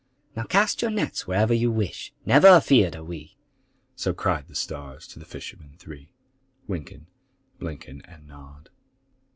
"Now cast your nets wherever you wish,— Never afeard are we!" So cried the stars to the fishermen three, Wynken, Blynken, And Nod.